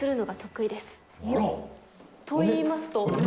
といいますと？